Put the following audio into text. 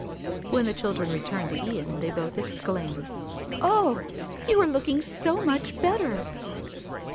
When the children returned to Ian, they both exclaimed, "Oh, you are looking so much better."